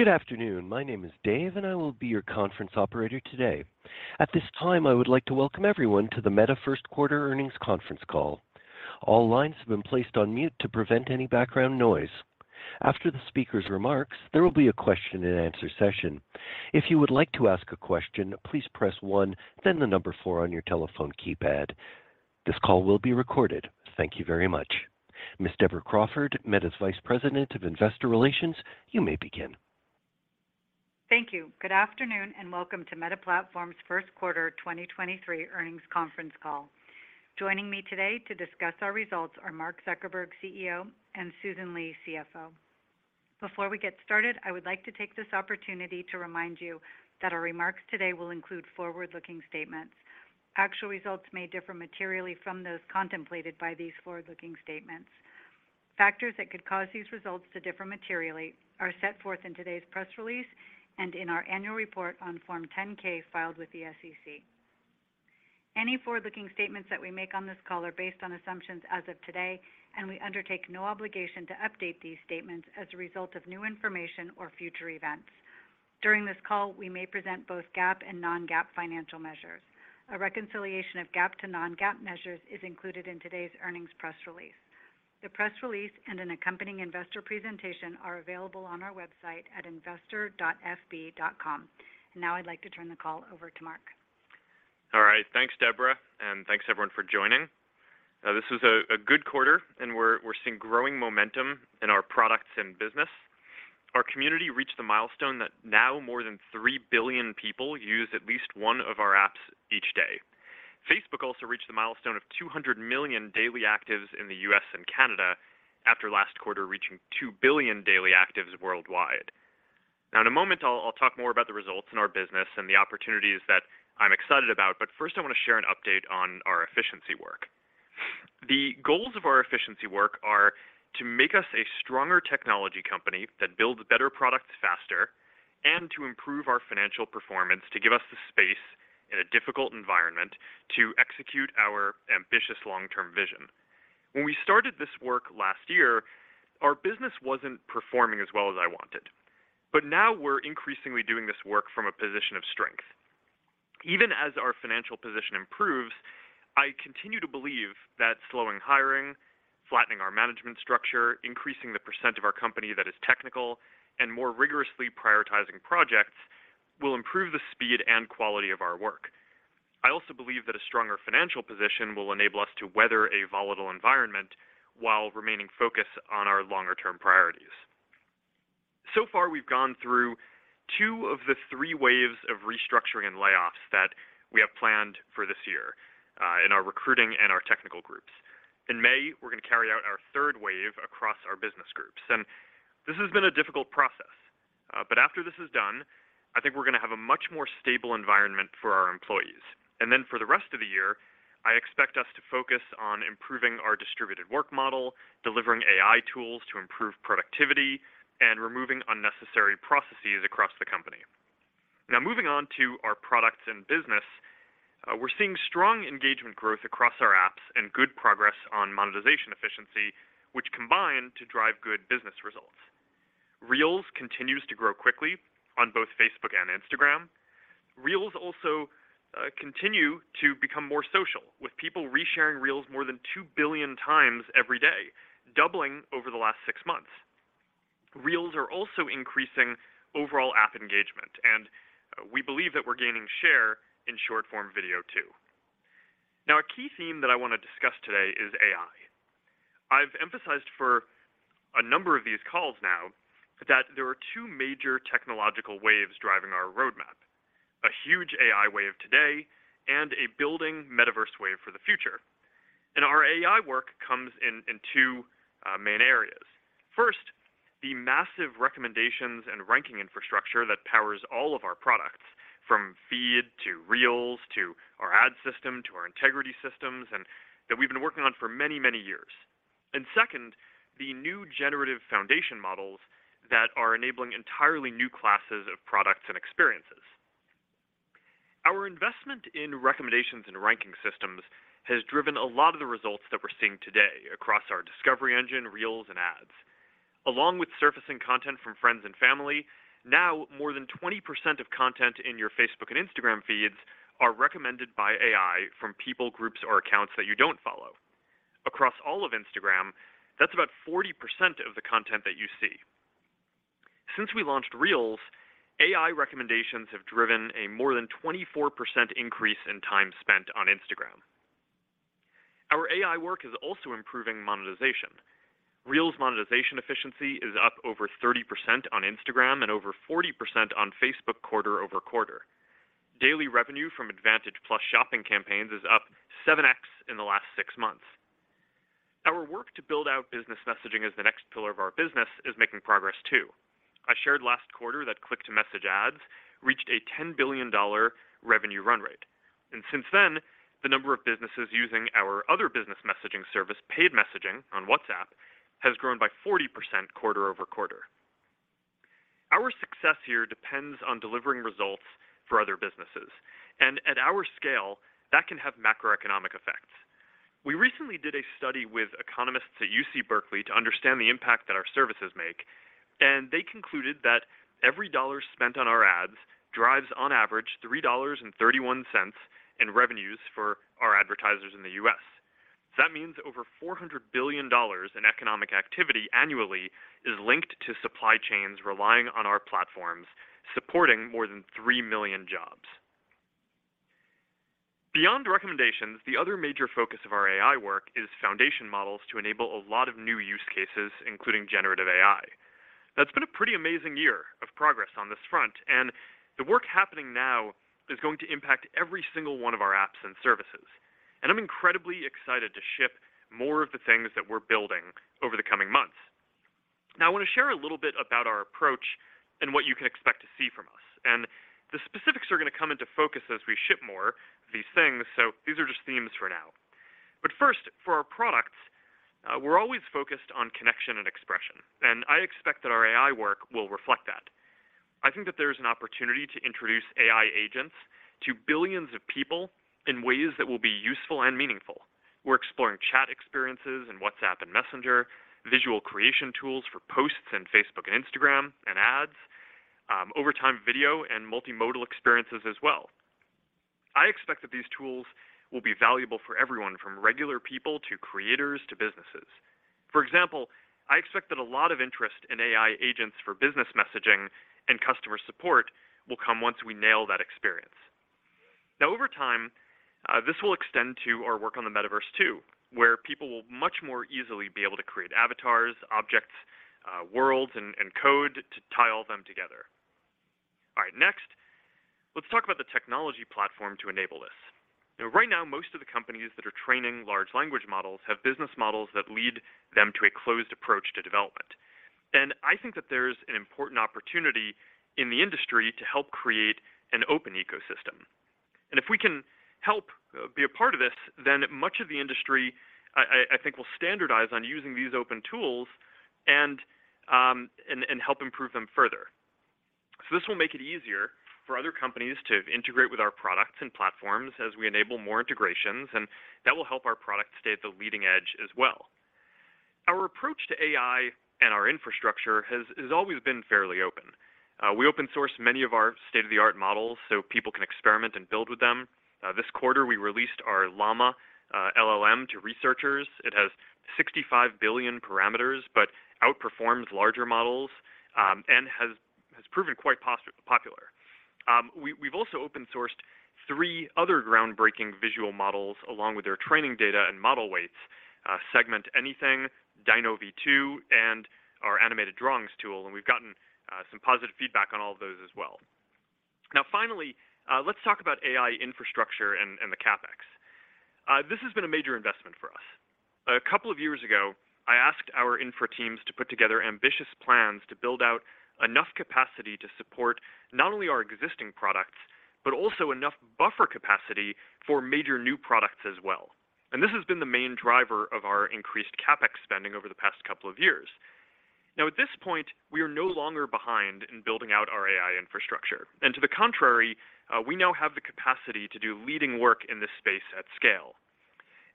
Good afternoon. My name is Dave, and I will be your conference operator today. At this time, I would like to welcome everyone to the Meta first quarter earnings conference call. All lines have been placed on mute to prevent any background noise. After the speaker's remarks, there will be a question-and-answer session. If you would like to ask a question, please press one, then the number four on your telephone keypad. This call will be recorded. Thank you very much. Ms. Deborah Crawford, Meta's Vice President of Investor Relations, you may begin. Thank you. Good afternoon, and welcome to Meta Platforms first quarter 2023 earnings conference call. Joining me today to discuss our results are Mark Zuckerberg, CEO, and Susan Li, CFO. Before we get started, I would like to take this opportunity to remind you that our remarks today will include forward-looking statements. Actual results may differ materially from those contemplated by these forward-looking statements. Factors that could cause these results to differ materially are set forth in today's press release and in our annual report on Form 10-K filed with the SEC. Any forward-looking statements that we make on this call are based on assumptions as of today, and we undertake no obligation to update these statements as a result of new information or future events. During this call, we may present both GAAP and non-GAAP financial measures. A reconciliation of GAAP to non-GAAP measures is included in today's earnings press release. The press release and an accompanying investor presentation are available on our website at investor.fb.com. Now I'd like to turn the call over to Mark. All right. Thanks, Deborah, and thanks everyone for joining. This was a good quarter, and we're seeing growing momentum in our products and business. Our community reached the milestone that now more than 3 billion people use at least one of our apps each day. Facebook also reached the milestone of 200 million daily actives in the U.S. and Canada after last quarter reaching 2 billion daily actives worldwide. In a moment I'll talk more about the results in our business and the opportunities that I'm excited about, but first I want to share an update on our efficiency work. The goals of our efficiency work are to make us a stronger technology company that builds better products faster and to improve our financial performance to give us the space in a difficult environment to execute our ambitious long-term vision. When we started this work last year, our business wasn't performing as well as I wanted. Now we're increasingly doing this work from a position of strength. Even as our financial position improves, I continue to believe that slowing hiring, flattening our management structure, increasing the percent of our company that is technical, and more rigorously prioritizing projects will improve the speed and quality of our work. I also believe that a stronger financial position will enable us to weather a volatile environment while remaining focused on our longer-term priorities. So far, we've gone through two of the three waves of restructuring and layoffs that we have planned for this year, in our recruiting and our technical groups. In May, we're going to carry out our third wave across our business groups. This has been a difficult process, but after this is done, I think we're going to have a much more stable environment for our employees. Then for the rest of the year, I expect us to focus on improving our distributed work model, delivering AI tools to improve productivity, and removing unnecessary processes across the company. Moving on to our products and business, we're seeing strong engagement growth across our apps and good progress on monetization efficiency, which combine to drive good business results. Reels continue to grow quickly on both Facebook and Instagram. Reels also continue to become more social, with people re-sharing Reels more than 2 billion times every day, doubling over the last 6 months. Reels are also increasing overall app engagement, and we believe that we're gaining share in short-form video too. A key theme that I want to discuss today is AI. I've emphasized for a number of these calls now that there are two major technological waves driving our roadmap: a huge AI wave today and a building metaverse wave for the future. Our AI work comes in two main areas. First, the massive recommendations and ranking infrastructure that powers all of our products, from Feed to Reels to our ad system to our integrity systems, and that we've been working on for many, many years. Second, the new generative foundation models that are enabling entirely new classes of products and experiences. Our investment in recommendations and ranking systems has driven a lot of the results that we're seeing today across our discovery engine, Reels, and ads. Along with surfacing content from friends and family, now more than 20% of content in your Facebook and Instagram feeds are recommended by AI from people, groups, or accounts that you don't follow. Across all of Instagram, that's about 40% of the content that you see. Since we launched Reels, AI recommendations have driven a more than 24% increase in time spent on Instagram. Our AI work is also improving monetization. Reels monetization efficiency is up over 30% on Instagram and over 40% on Facebook quarter-over-quarter. Daily revenue from Advantage+ Shopping campaigns is up 7x in the last six months. Our work to build out business messaging as the next pillar of our business is making progress too. I shared last quarter that click-to-message ads reached a $10 billion revenue run-rate. Since then, the number of businesses using our other business messaging service, Paid Messaging on WhatsApp, has grown by 40% quarter-over-quarter. Our success here depends on delivering results for other businesses. At our scale, that can have macroeconomic effects. We recently did a study with economists at UC Berkeley to understand the impact that our services make, and they concluded that every dollar spent on our ads drives, on average, $3.31 in revenues for our advertisers in the U.S. That means over $400 billion in economic activity annually is linked to supply chains relying on our platforms, supporting more than 3 million jobs. Beyond recommendations, the other major focus of our AI work is foundation models to enable a lot of new use cases, including Generative AI. That's been a pretty amazing year of progress on this front, the work happening now is going to impact every single one of our apps and services. I'm incredibly excited to ship more of the things that we're building over the coming months. Now, I want to share a little bit about our approach and what you can expect to see from us. The specifics are going to come into focus as we ship more of these things, so these are just themes for now. First, for our products, we're always focused on connection and expression, and I expect that our AI work will reflect that. I think that there's an opportunity to introduce AI agents to billions of people in ways that will be useful and meaningful. We're exploring chat experiences in WhatsApp and Messenger, visual creation tools for posts in Facebook and Instagram, and ads. Over time, video and multimodal experiences as well. I expect that these tools will be valuable for everyone, from regular people to creators to businesses. For example, I expect that a lot of interest in AI agents for business messaging and customer support will come once we nail that experience. Now, over time, this will extend to our work on the metaverse, too, where people will much more easily be able to create avatars, objects, worlds, and code to tie all them together. All right. Next, let's talk about the technology platform to enable this. Right now, most of the companies that are training large language models have business models that lead them to a closed approach to development. I think that there's an important opportunity in the industry to help create an open ecosystem. If we can help be a part of this, then much of the industry I think will standardize on using these open tools and help improve them further. This will make it easier for other companies to integrate with our products and platforms as we enable more integrations, and that will help our product stay at the leading edge as well. Our approach to AI and our infrastructure has always been fairly open. We open source many of our state-of-the-art models so people can experiment and build with them. This quarter, we released our Llama LLM to researchers. It has 65 billion parameters, but outperforms larger models, and has proven quite popular. We, we've also open-sourced 3 other groundbreaking visual models along with their training data and model weights, Segment Anything, DINOv2, and our Animated Drawings tool, we've gotten some positive feedback on all of those as well. Finally, let's talk about AI infrastructure and the CapEx. This has been a major investment for us. A couple of years ago, I asked our infra teams to put together ambitious plans to build out enough capacity to support not only our existing products, but also enough buffer capacity for major new products as well. This has been the main driver of our increased CapEx spending over the past couple of years. At this point, we are no longer behind in building out our AI infrastructure. To the contrary, we now have the capacity to do leading work in this space at scale.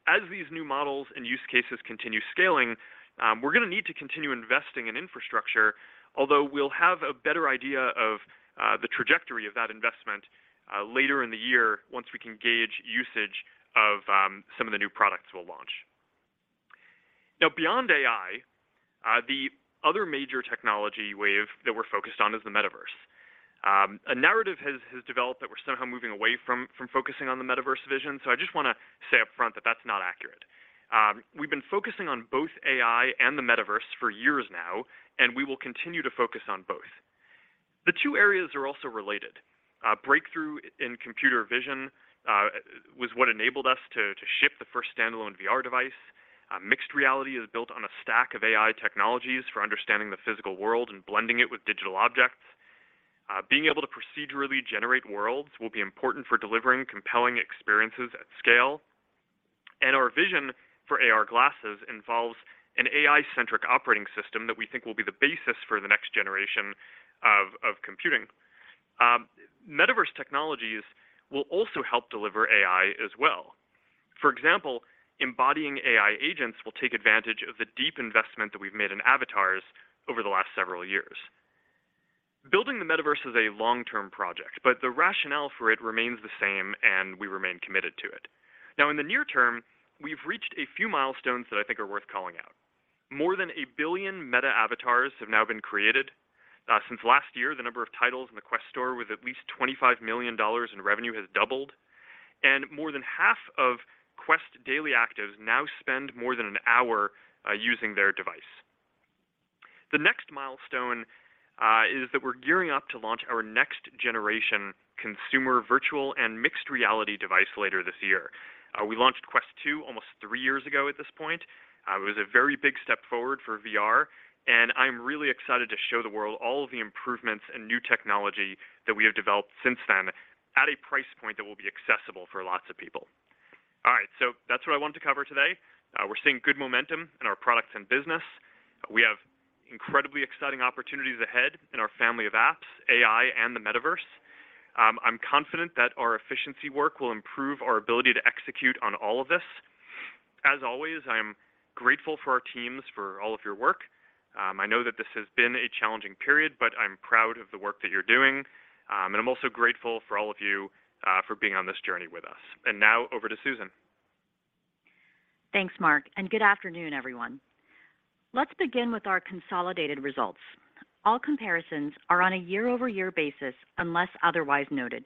As these new models and use cases continue scaling, we're going to need to continue investing in infrastructure, although we'll have a better idea of the trajectory of that investment later in the year once we can gauge usage of some of the new products we'll launch. Beyond AI, the other major technology wave that we're focused on is the metaverse. A narrative has developed that we're somehow moving away from focusing on the metaverse vision, so I just want to say up front that that's not accurate. We've been focusing on both AI and the metaverse for years now, and we will continue to focus on both. The two areas are also related. A breakthrough in computer vision was what enabled us to ship the first standalone VR device. Mixed reality is built on a stack of AI technologies for understanding the physical world and blending it with digital objects. Being able to procedurally generate worlds will be important for delivering compelling experiences at scale. Our vision for AR glasses involves an AI-centric operating system that we think will be the basis for the next generation of computing. Metaverse technologies will also help deliver AI as well. For example, embodying AI agents will take advantage of the deep investment that we've made in avatars over the last several years. Building the metaverse is a long-term project, but the rationale for it remains the same, and we remain committed to it. Now, in the near term, we've reached a few milestones that I think are worth calling out. More than 1 billion Meta Avatars have now been created. Since last year, the number of titles in the Quest Store with at least $25 million in revenue has doubled. More than half of Quest daily actives now spend more than an hour using their device. The next milestone is that we're gearing up to launch our next-generation consumer virtual and mixed reality device later this year. We launched Quest 2 almost three years ago at this point. It was a very big step forward for VR, I'm really excited to show the world all of the improvements and new technology that we have developed since then at a price point that will be accessible for lots of people. All right, that's what I wanted to cover today. We're seeing good momentum in our products and business. We have incredibly exciting opportunities ahead in our Family of Apps, AI, and the metaverse. I'm confident that our efficiency work will improve our ability to execute on all of this. As always, I'm grateful for our teams for all of your work. I know that this has been a challenging period, but I'm proud of the work that you're doing. I'm also grateful for all of you, for being on this journey with us. Now over to Susan. Thanks, Mark. Good afternoon, everyone. Let's begin with our consolidated results. All comparisons are on a year-over-year basis unless otherwise noted.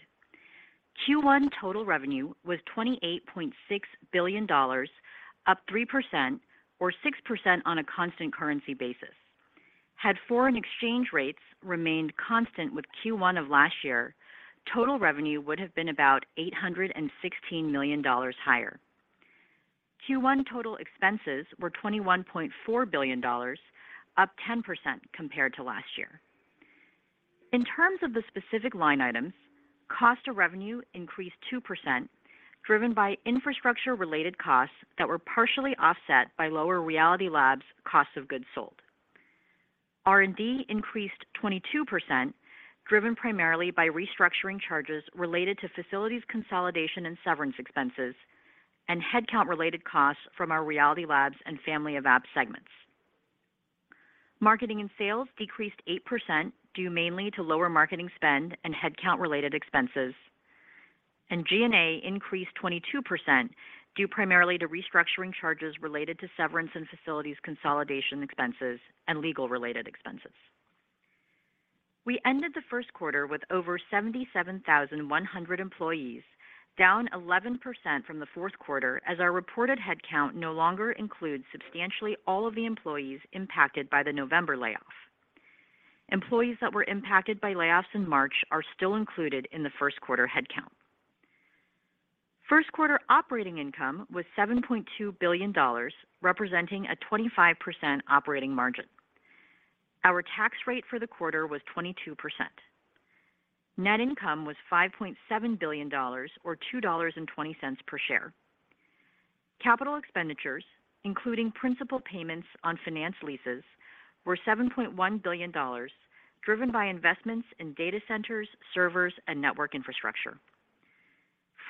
Q1 total revenue was $28.6 billion, up 3% or 6% on a constant currency basis. Had foreign exchange rates remained constant with Q1 of last year, total revenue would have been about $816 million higher. Q1 total expenses were $21.4 billion, up 10% compared to last year. In terms of the specific line items, cost of revenue increased 2%, driven by infrastructure-related costs that were partially offset by lower Reality Labs costs of goods sold. R&D increased 22%, driven primarily by restructuring charges related to facilities consolidation and severance expenses and headcount-related costs from our Reality Labs and Family of Apps segments. Marketing and sales decreased 8%, due mainly to lower marketing spend and headcount-related expenses. G&A increased 22%, due primarily to restructuring charges related to severance and facilities consolidation expenses and legal-related expenses. We ended the first quarter with over 77,100 employees, down 11% from the fourth quarter, as our reported headcount no longer includes substantially all of the employees impacted by the November layoff. Employees that were impacted by layoffs in March are still included in the first quarter headcount. First quarter operating income was $7.2 billion, representing a 25% operating margin. Our tax rate for the quarter was 22%. Net income was $5.7 billion, or $2.20 per share. Capital expenditures, including principal payments on finance leases, were $7.1 billion, driven by investments in data centers, servers, and network infrastructure.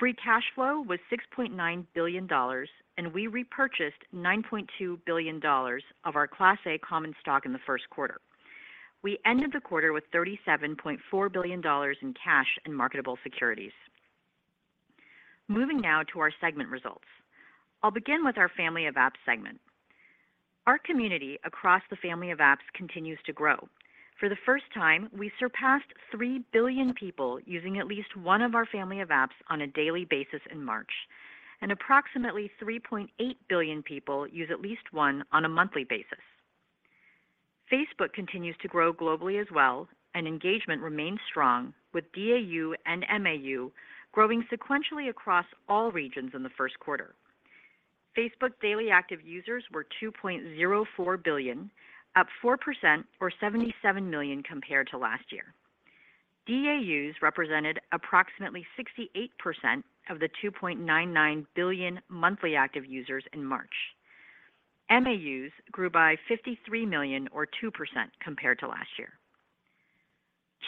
Free cash flow was $6.9 billion, and we repurchased $9.2 billion of our Class A common stock in the first quarter. We ended the quarter with $37.4 billion in cash and marketable securities. Moving now to our segment results. I'll begin with our Family of Apps segment. Our community across the Family of Apps continues to grow. For the first time, we surpassed 3 billion people using at least one of our Family of Apps on a daily basis in March, and approximately 3.8 billion people use at least one on a monthly basis. Facebook continues to grow globally as well. Engagement remains strong, with DAU and MAU growing sequentially across all regions in the first quarter. Facebook daily active users were 2.04 billion, up 4%, or $77 million compared to last year. DAUs represented approximately 68% of the 2.99 billion monthly active users in March. MAUs grew by $53 million, or 2% compared to last year.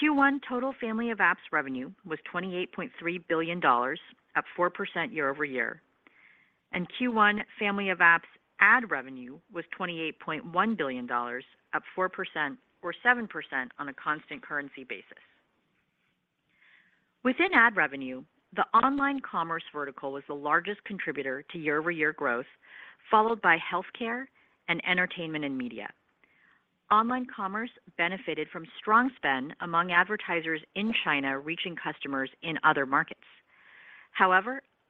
Q1 total Family of Apps revenue was $28.3 billion, up 4% year-over-year. Q1 Family of Apps ad revenue was $28.1 billion, up 4%, or 7% on a constant currency basis. Within ad revenue, the online commerce vertical was the largest contributor to year-over-year growth, followed by healthcare and entertainment and media. Online commerce benefited from strong spend among advertisers in China reaching customers in other markets.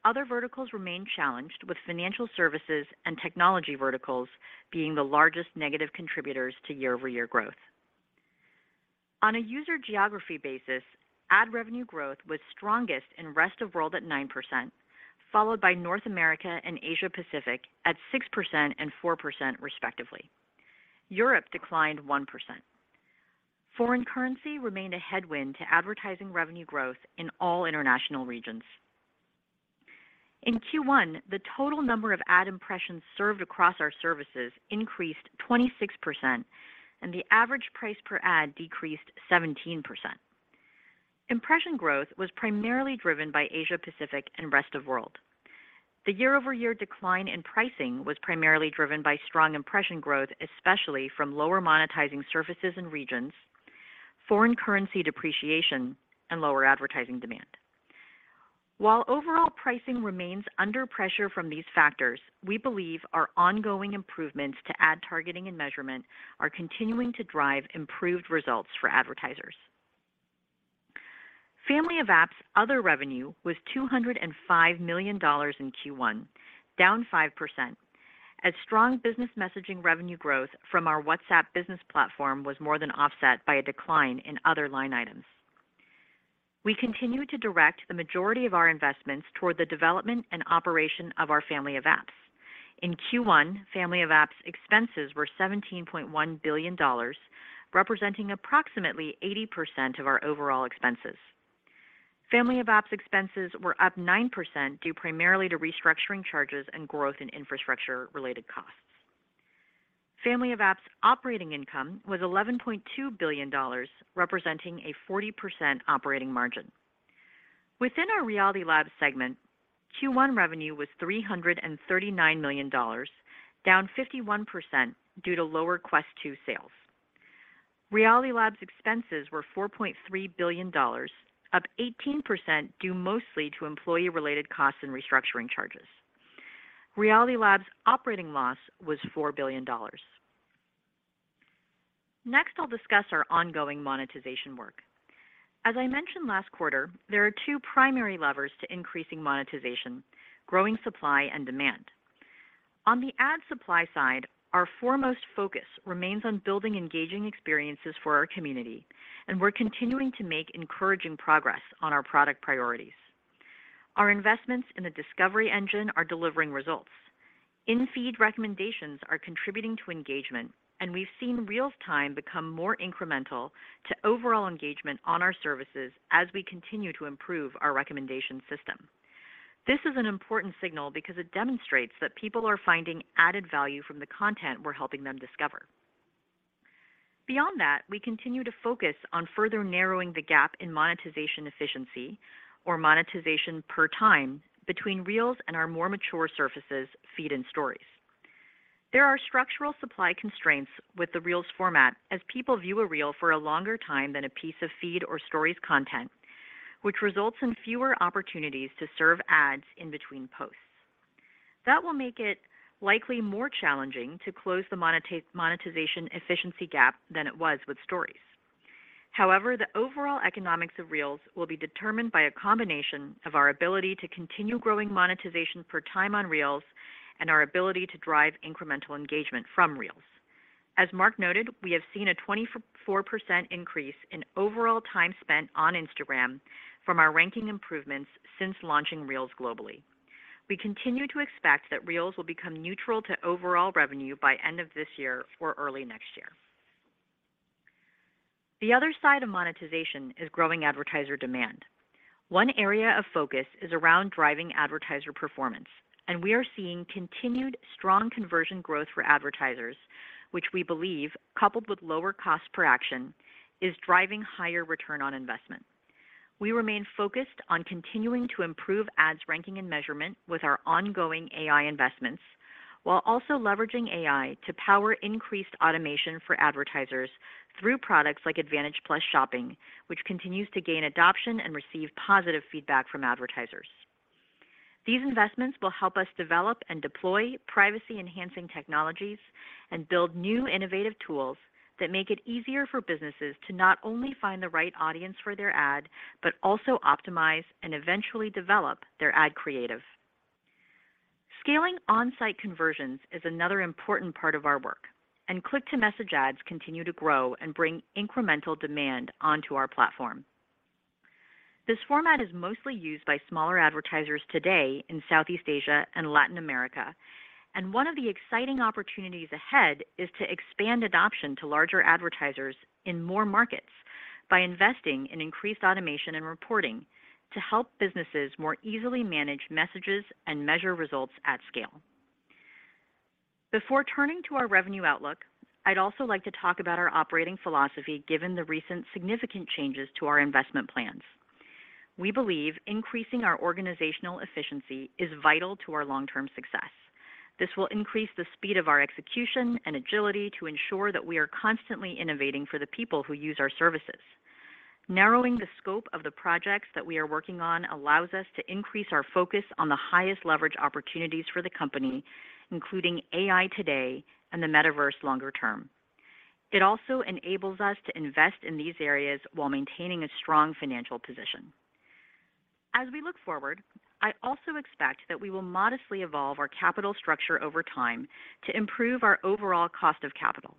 Other verticals remain challenged, with financial services and technology verticals being the largest negative contributors to year-over-year growth. On a user geography basis, ad revenue growth was strongest in Rest of World at 9%, followed by North America and Asia-Pacific at 6% and 4%, respectively. Europe declined 1%. Foreign currency remained a headwind to advertising revenue growth in all international regions. In Q1, the total number of ad impressions served across our services increased 26%, and the average price per ad decreased 17%. Impression growth was primarily driven by Asia-Pacific and Rest of World. The year-over-year decline in pricing was primarily driven by strong impression growth, especially from lower monetizing services and regions, foreign currency depreciation, and lower advertising demand. While overall pricing remains under pressure from these factors, we believe our ongoing improvements to ad targeting and measurement are continuing to drive improved results for advertisers. Family of Apps other revenue was $205 million in Q1, down 5%, as strong business messaging revenue growth from our WhatsApp Business Platform was more than offset by a decline in other line items. We continue to direct the majority of our investments toward the development and operation of our Family of Apps. In Q1, Family of Apps expenses were $17.1 billion, representing approximately 80% of our overall expenses. Family of Apps expenses were up 9% due primarily to restructuring charges and growth in infrastructure related costs. Family of Apps operating income was $11.2 billion, representing a 40% operating margin. Within our Reality Labs segment, Q1 revenue was $339 million, down 51% due to lower Quest 2 sales. Reality Labs expenses were $4.3 billion, up 18% due mostly to employee related costs and restructuring charges. Reality Labs operating loss was $4 billion. Next, I'll discuss our ongoing monetization work. As I mentioned last quarter, there are two primary levers to increasing monetization, growing supply, and demand. On the ad supply side, our foremost focus remains on building engaging experiences for our community, and we're continuing to make encouraging progress on our product priorities. Our investments in the discovery engine are delivering results. In-feed recommendations are contributing to engagement, and we've seen Reels time become more incremental to overall engagement on our services as we continue to improve our recommendation system. This is an important signal because it demonstrates that people are finding added value from the content we're helping them discover. We continue to focus on further narrowing the gap in monetization efficiency or monetization per time between Reels and our more mature surfaces, Feed and Stories. There are structural supply constraints with the Reels format as people view a Reel for a longer time than a piece of Feed or Stories content, which results in fewer opportunities to serve ads in between posts. That will make it likely more challenging to close the monetization efficiency gap than it was with Stories. The overall economics of Reels will be determined by a combination of our ability to continue growing monetization per time on Reels and our ability to drive incremental engagement from Reels. As Mark noted, we have seen a 24% increase in overall time spent on Instagram from our ranking improvements since launching Reels globally. We continue to expect that Reels will become neutral to overall revenue by end of this year or early next year. The other side of monetization is growing advertiser demand. One area of focus is around driving advertiser performance, and we are seeing continued strong conversion growth for advertisers, which we believe, coupled with lower cost per action, is driving higher return on investment. We remain focused on continuing to improve ads ranking and measurement with our ongoing AI investments, while also leveraging AI to power increased automation for advertisers through products like Advantage+ Shopping, which continues to gain adoption and receive positive feedback from advertisers. These investments will help us develop and deploy privacy-enhancing technologies and build new innovative tools that make it easier for businesses to not only find the right audience for their ad, but also optimize and eventually develop their ad creative. Scaling on-site conversions is another important part of our work. Click-to-message ads continue to grow and bring incremental demand onto our platform. This format is mostly used by smaller advertisers today in Southeast Asia and Latin America. One of the exciting opportunities ahead is to expand adoption to larger advertisers in more markets by investing in increased automation and reporting to help businesses more easily manage messages and measure results at scale. Before turning to our revenue outlook, I'd also like to talk about our operating philosophy given the recent significant changes to our investment plans. We believe increasing our organizational efficiency is vital to our long-term success. This will increase the speed of our execution and agility to ensure that we are constantly innovating for the people who use our services. Narrowing the scope of the projects that we are working on allows us to increase our focus on the highest leverage opportunities for the company, including AI today and the metaverse longer term. It also enables us to invest in these areas while maintaining a strong financial position. As we look forward, I also expect that we will modestly evolve our capital structure over time to improve our overall cost of capital.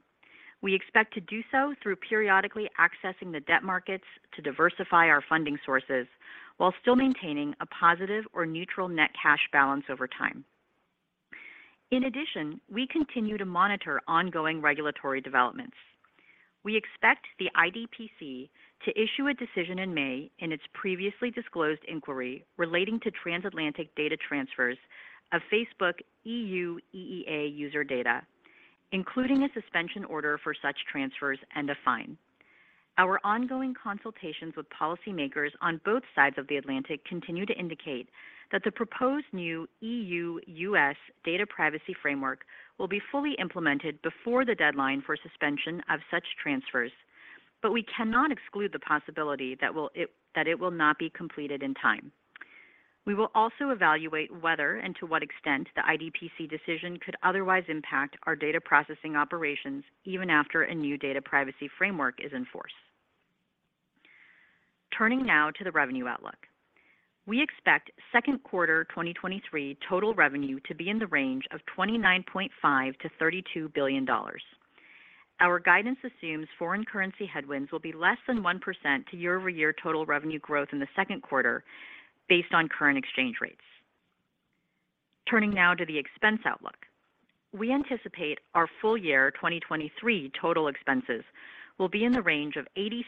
We expect to do so through periodically accessing the debt markets to diversify our funding sources while still maintaining a positive or neutral net cash balance over time. In addition, we continue to monitor ongoing regulatory developments. We expect the IDPC to issue a decision in May in its previously disclosed inquiry relating to transatlantic data transfers of Facebook EU, EEA user data, including a suspension order for such transfers and a fine. Our ongoing consultations with policymakers on both sides of the Atlantic continue to indicate that the proposed new EU-U.S. Data Privacy Framework will be fully implemented before the deadline for suspension of such transfers, but we cannot exclude the possibility that it will not be completed in time. We will also evaluate whether and to what extent the IDPC decision could otherwise impact our data processing operations even after a new data privacy framework is in force. Turning now to the revenue outlook. We expect second quarter 2023 total revenue to be in the range of $29.5 billion-$32 billion. Our guidance assumes foreign currency headwinds will be less than 1% to year-over-year total revenue growth in the second quarter based on current exchange rates. Turning now to the expense outlook. We anticipate our full year 2023 total expenses will be in the range of $86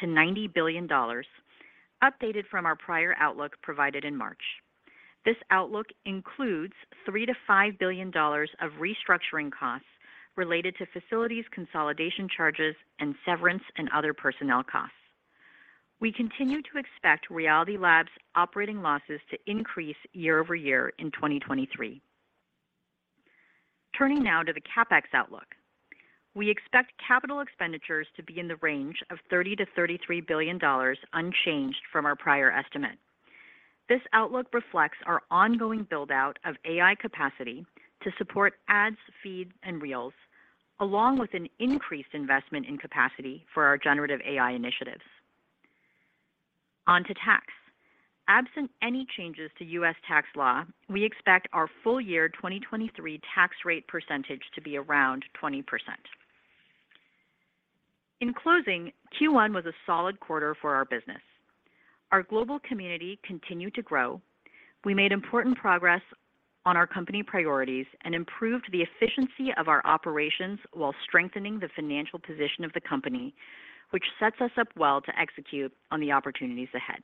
billion-$90 billion, updated from our prior outlook provided in March. This outlook includes $3 billion-$5 billion of restructuring costs related to facilities consolidation charges and severance and other personnel costs. We continue to expect Reality Labs operating losses to increase year-over-year in 2023. Turning now to the CapEx outlook. We expect capital expenditures to be in the range of $30 billion-$33 billion, unchanged from our prior estimate. This outlook reflects our ongoing build-out of AI capacity to support ads, feeds and Reels, along with an increased investment in capacity for our Generative AI initiatives. On to tax. Absent any changes to U.S. tax law, we expect our full year 2023 tax rate percentage to be around 20%. In closing, Q1 was a solid quarter for our business. Our global community continued to grow. We made important progress on our company priorities and improved the efficiency of our operations while strengthening the financial position of the company, which sets us up well to execute on the opportunities ahead.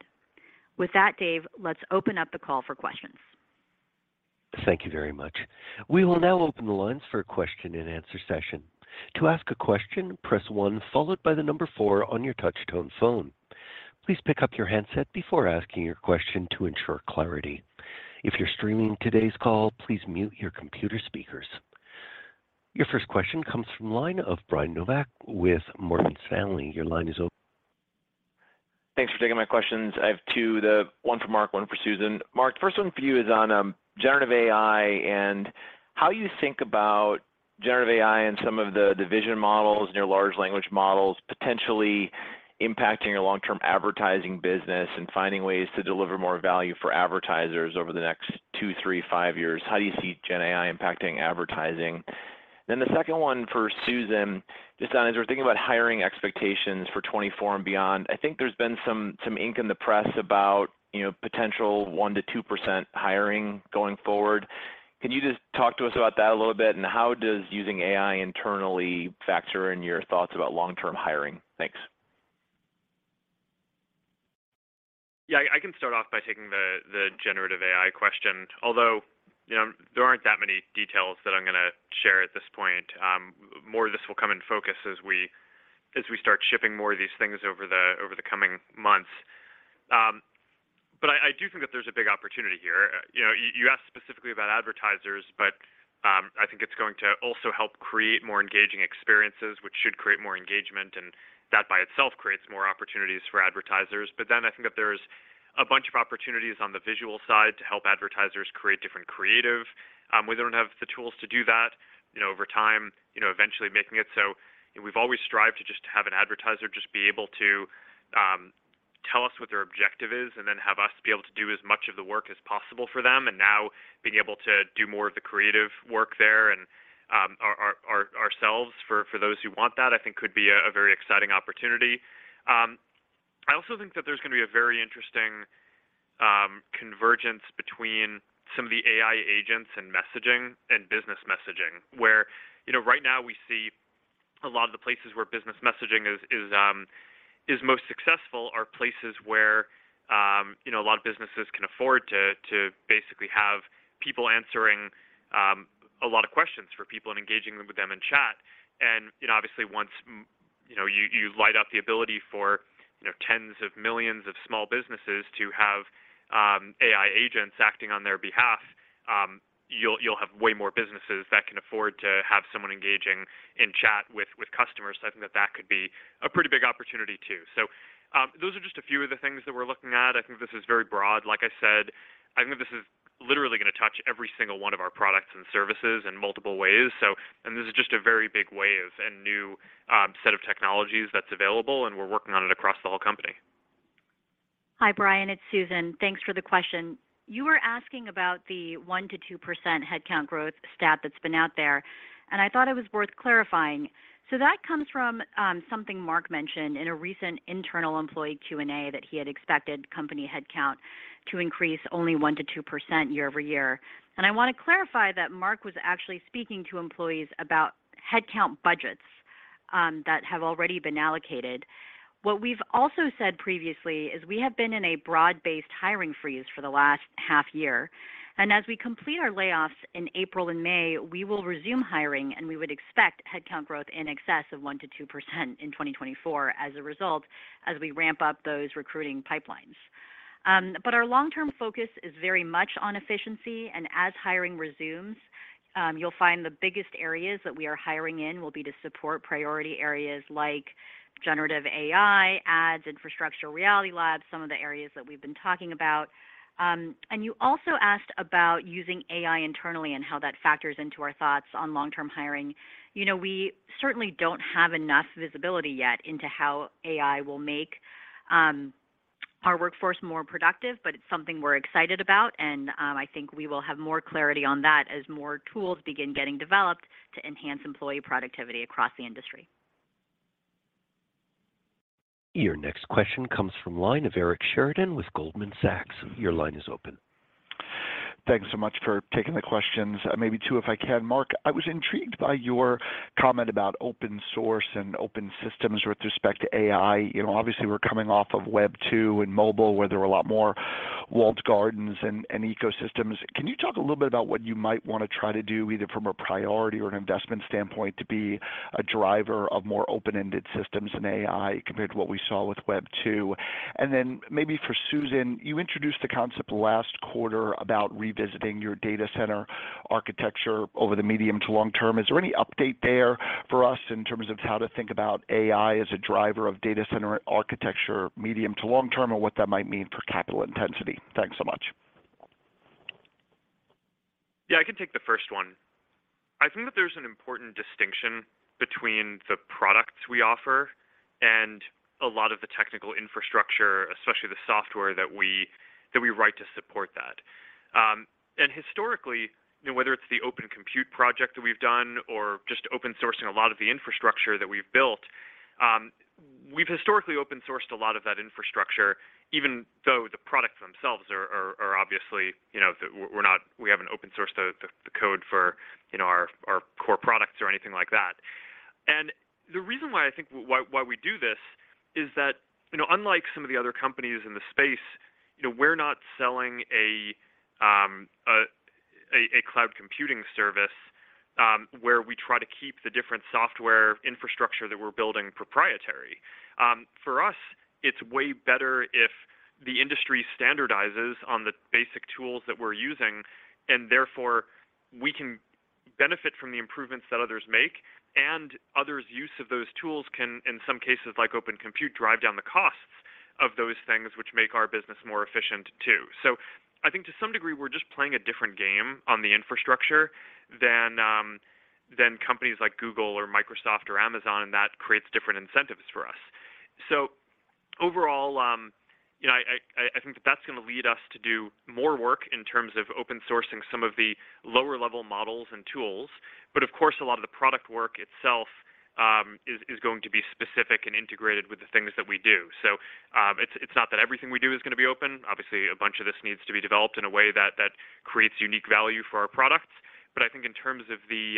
With that, Dave, let's open up the call for questions. Thank you very much. We will now open the lines for a question and answer session. To ask a question, press 1 followed by the number 4 on your touch tone phone. Please pick up your handset before asking your question to ensure clarity. If you're streaming today's call, please mute your computer speakers. Your first question comes from line of Brian Nowak with Morgan Stanley. Your line is open. Thanks for taking my questions. I have 2. The one for Mark, one for Susan. Mark, first one for you is on Generative AI and how you think about Generative AI and some of the division models and your Large Language Models potentially impacting your long-term advertising business and finding ways to deliver more value for advertisers over the next 2, 3, 5 years. How do you see GenAI impacting advertising? The second one for Susan, just on as we're thinking about hiring expectations for 2024 and beyond. I think there's been some ink in the press about, you know, potential 1%-2% hiring going forward. Can you just talk to us about that a little bit? How does using AI internally factor in your thoughts about long-term hiring? Thanks. Yeah, I can start off by taking the generative AI question, although, you know, there aren't that many details that I'm gonna share at this point. More of this will come in focus as we start shipping more of these things over the coming months. I do think that there's a big opportunity here. You know, you asked specifically about advertisers. I think it's going to also help create more engaging experiences, which should create more engagement, and that by itself creates more opportunities for advertisers. I think that there's a bunch of opportunities on the visual side to help advertisers create different creative, where they don't have the tools to do that, you know, over time, you know, eventually making it. We've always strived to just have an advertiser just be able to tell us what their objective is and then have us be able to do as much of the work as possible for them. Now being able to do more of the creative work there and our ourselves for those who want that, I think could be a very exciting opportunity. I also think that there's going to be a very interesting convergence between some of the AI agents and messaging and business messaging. You know, right now we see a lot of the places where business messaging is most successful are places where, you know, a lot of businesses can afford to basically have people answering a lot of questions for people and engaging them with them in chat. You know, obviously once, you know, you light up the ability for, you know, tens of millions of small businesses to have AI agents acting on their behalf, you'll have way more businesses that can afford to have someone engaging in chat with customers. I think that could be a pretty big opportunity too. Those are just a few of the things that we're looking at. I think this is very broad. Like I said, I think this is literally going to touch every single one of our products and services in multiple ways. This is just a very big wave and new set of technologies that's available, and we're working on it across the whole company. Hi, Brian. It's Susan. Thanks for the question. You were asking about the 1% to 2% headcount growth stat that's been out there, and I thought it was worth clarifying. That comes from something Mark mentioned in a recent internal employee Q&A that he had expected company headcount to increase only 1% to 2% year-over-year. I want to clarify that Mark was actually speaking to employees about headcount budgets that have already been allocated. What we've also said previously is we have been in a broad-based hiring freeze for the last half year. As we complete our layoffs in April and May, we will resume hiring, and we would expect headcount growth in excess of 1% to 2% in 2024 as a result as we ramp up those recruiting pipelines. Our long-term focus is very much on efficiency, and as hiring resumes, you'll find the biggest areas that we are hiring in will be to support priority areas like generative AI, ads, infrastructure, Reality Labs, some of the areas that we've been talking about. You also asked about using AI internally and how that factors into our thoughts on long-term hiring. You know, we certainly don't have enough visibility yet into how AI will make our workforce more productive, but it's something we're excited about. I think we will have more clarity on that as more tools begin getting developed to enhance employee productivity across the industry. Your next question comes from line of Eric Sheridan with Goldman Sachs. Your line is open. Thanks so much for taking the questions. Maybe 2, if I can. Mark, I was intrigued by your comment about open source and open systems with respect to AI. You know, obviously, we're coming off of Web 2.0 and mobile, where there were a lot more walled gardens and ecosystems. Can you talk a little bit about what you might wanna try to do, either from a priority or an investment standpoint, to be a driver of more open-ended systems in AI compared to what we saw with Web 2.0? Maybe for Susan, you introduced the concept last quarter about revisiting your data center architecture over the medium to long term. Is there any update there for us in terms of how to think about AI as a driver of data center architecture, medium to long term, and what that might mean for capital intensity? Thanks so much. Yeah, I can take the first one. I think that there's an important distinction between the products we offer and a lot of the technical infrastructure, especially the software that we write to support that. Historically, you know, whether it's the Open Compute Project that we've done or just open sourcing a lot of the infrastructure that we've built, we've historically open sourced a lot of that infrastructure, even though the products themselves are obviously, you know, we haven't open sourced the code for, you know, our core products or anything like that. The reason why I think why we do this is that, you know, unlike some of the other companies in the space, you know, we're not selling a cloud computing service where we try to keep the different software infrastructure that we're building proprietary. For us, it's way better if the industry standardizes on the basic tools that we're using, and therefore, we can benefit from the improvements that others make, and others' use of those tools can, in some cases, like Open Compute, drive down the costs of those things which make our business more efficient, too. I think to some degree, we're just playing a different game on the infrastructure than companies like Google or Microsoft or Amazon, and that creates different incentives for us. Overall, you know, I think that that's going to lead us to do more work in terms of open sourcing some of the lower-level models and tools. Of course, a lot of the product work itself, is going to be specific and integrated with the things that we do. It's not that everything we do is going to be open. Obviously, a bunch of this needs to be developed in a way that creates unique value for our products. I think in terms of the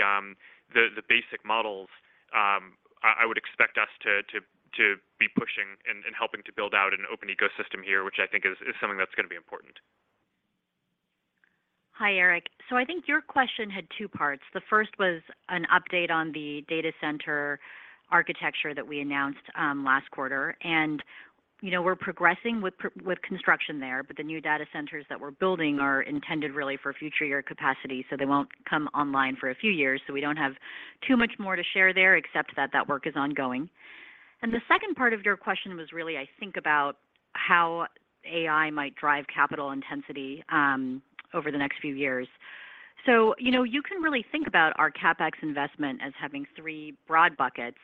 basic models, I would expect us to be pushing and helping to build out an open ecosystem here, which I think is something that's going to be important. Hi, Eric. I think your question had 2 parts. The 1st was an update on the data center architecture that we announced last quarter. You know, we're progressing with construction there, the new data centers that we're building are intended really for future year capacity, they won't come online for a few years, we don't have too much more to share there except that that work is ongoing. The 2nd part of your question was really, I think, about how AI might drive capital intensity over the next few years. You know, you can really think about our CapEx investment as having 3 broad buckets.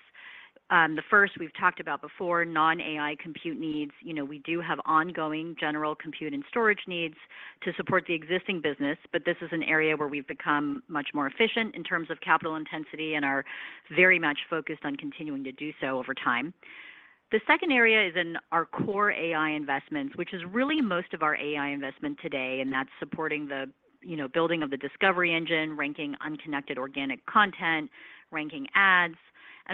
The 1st we've talked about before, non-AI compute needs. You know, we do have ongoing general compute and storage needs to support the existing business, but this is an area where we've become much more efficient in terms of capital intensity and are very much focused on continuing to do so over time. The second area is in our core AI investments, which is really most of our AI investment today, and that's supporting the, you know, building of the discovery engine, ranking unconnected organic content, ranking ads.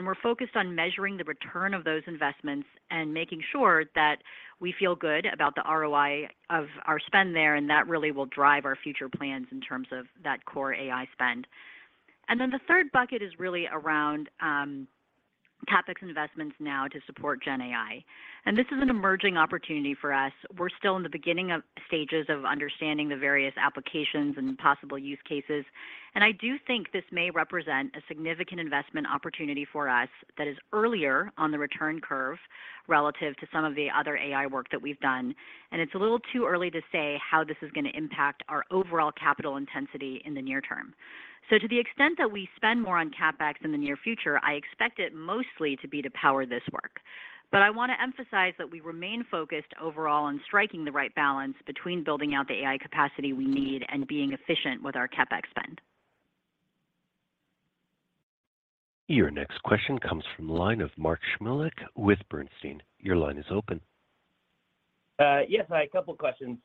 We're focused on measuring the return of those investments and making sure that we feel good about the ROI of our spend there, and that really will drive our future plans in terms of that core AI spend. The third bucket is really around CapEx investments now to support GenAI. This is an emerging opportunity for us. We're still in the beginning of stages of understanding the various applications and possible use cases. I do think this may represent a significant investment opportunity for us that is earlier on the return curve relative to some of the other AI work that we've done. It's a little too early to say how this is gonna impact our overall capital intensity in the near term. To the extent that we spend more on CapEx in the near future, I expect it mostly to be to power this work. I wanna emphasize that we remain focused overall on striking the right balance between building out the AI capacity we need and being efficient with our CapEx spend. Your next question comes from the line of Mark Shmulik with Bernstein. Your line is open. Yes. I have a couple questions.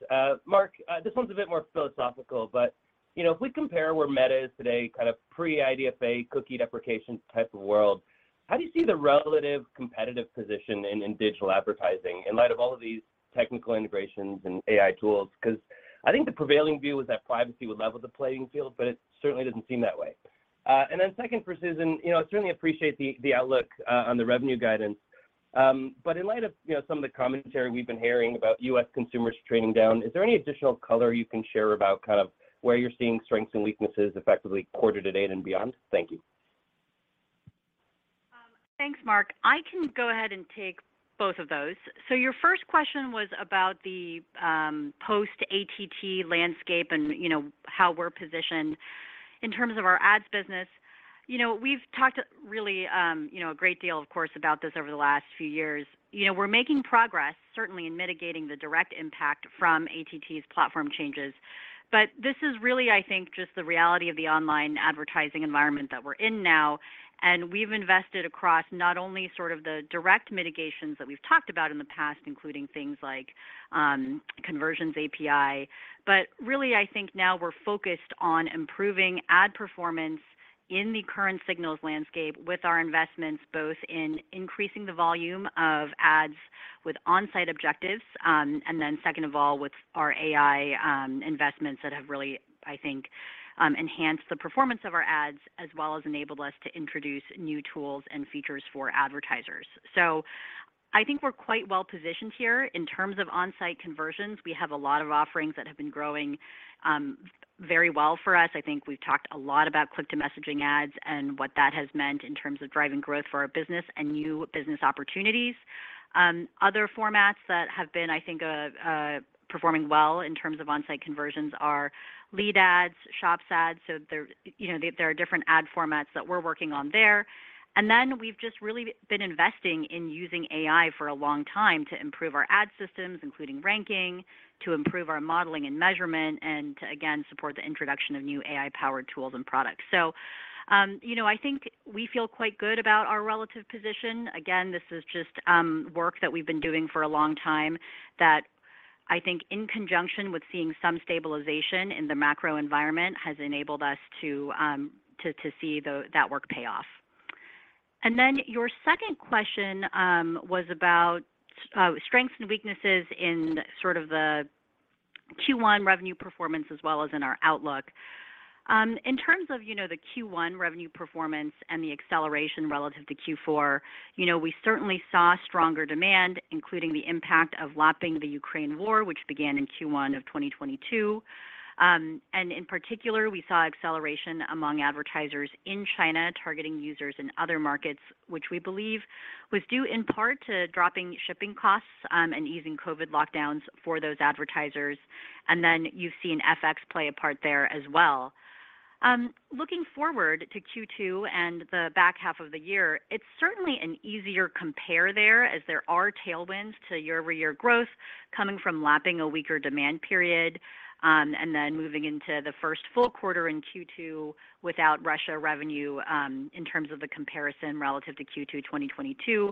Mark, this one's a bit more philosophical, but, you know, if we compare where Meta is today, kind of pre-IDFA, cookie deprecation type of world, how do you see the relative competitive position in digital advertising in light of all of these technical integrations and AI tools? Because I think the prevailing view was that privacy would level the playing field, but it certainly doesn't seem that way. Second for Susan, you know, certainly appreciate the outlook on the revenue guidance. In light of, you know, some of the commentary we've been hearing about U.S. consumers trading down, is there any additional color you can share about kind of where you're seeing strengths and weaknesses effectively quarter-to-date and beyond? Thank you. Thanks, Mark. I can go ahead and take both of those. Your first question was about the post-ATT landscape and, you know, how we're positioned. In terms of our ads business, you know, we've talked really, you know, a great deal, of course, about this over the last few years. You know, we're making progress, certainly in mitigating the direct impact from ATT's platform changes. This is really, I think, just the reality of the online advertising environment that we're in now. We've invested across not only sort of the direct mitigations that we've talked about in the past, including things like, Conversions API, but really, I think now we're focused on improving ad performance in the current signals landscape with our investments, both in increasing the volume of ads with on-site objectives, and then second of all, with our AI investments that have really, I think, enhanced the performance of our ads as well as enabled us to introduce new tools and features for advertisers. I think we're quite well-positioned here. In terms of on-site conversions, we have a lot of offerings that have been growing very well for us. I think we've talked a lot about click-to-message ads and what that has meant in terms of driving growth for our business and new business opportunities. Other formats that have been, I think, performing well in terms of on-site conversions are lead ads, Shops ads, so there, you know, there are different ad formats that we're working on there. We've just really been investing in using AI for a long time to improve our ad systems, including ranking, to improve our modeling and measurement, and to again, support the introduction of new AI-powered tools and products. you know, I think we feel quite good about our relative position. This is just work that we've been doing for a long time that I think in conjunction with seeing some stabilization in the macro environment has enabled us to see that work pay off. Your second question was about strengths and weaknesses in sort of the Q1 revenue performance as well as in our outlook. In terms of, you know, the Q1 revenue performance and the acceleration relative to Q4, you know, we certainly saw stronger demand, including the impact of lapping the Ukraine war, which began in Q1 of 2022. In particular, we saw acceleration among advertisers in China targeting users in other markets, which we believe was due in part to dropping shipping costs and easing COVID lockdowns for those advertisers, and then you've seen FX play a part there as well. Looking forward to Q2 and the back half of the year, it's certainly an easier compare there as there are tailwinds to year-over-year growth coming from lapping a weaker demand period, moving into the first full quarter in Q2 without Russia revenue, in terms of the comparison relative to Q2 2022,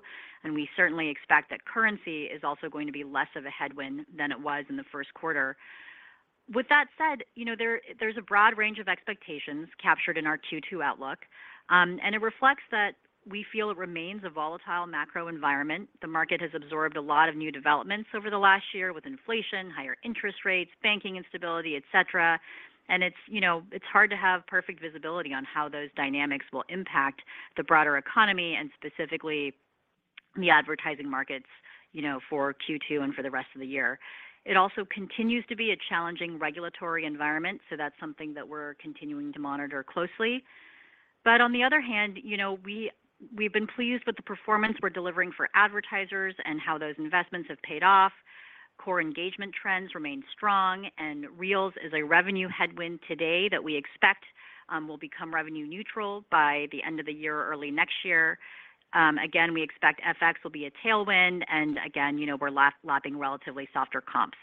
we certainly expect that currency is also going to be less of a headwind than it was in the first quarter. With that said, you know, there's a broad range of expectations captured in our Q2 outlook, and it reflects that we feel it remains a volatile macro environment. The market has absorbed a lot of new developments over the last year with inflation, higher interest rates, banking instability, et cetera, it's, you know, hard to have perfect visibility on how those dynamics will impact the broader economy and specifically the advertising markets, you know, for Q2 and for the rest of the year. It also continues to be a challenging regulatory environment. That's something that we're continuing to monitor closely. On the other hand, you know, we've been pleased with the performance we're delivering for advertisers and how those investments have paid off. Core engagement trends remain strong. Reels is a revenue headwind today that we expect will become revenue neutral by the end of the year or early next year. Again, we expect FX will be a tailwind, again, you know, we're lapping relatively softer comps.